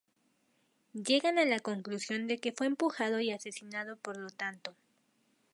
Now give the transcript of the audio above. Llegan a la conclusión de que fue empujado, y asesinado por lo tanto.